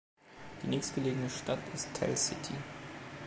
Die nächstgelegene Stadt ist Tell City.